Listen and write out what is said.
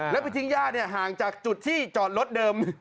แล้วไปทิ้งย่าเนี่ยห่างจากจุดที่จอดรถเดิม